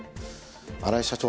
荒井社長